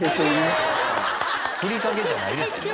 ふりかけじゃないですよ。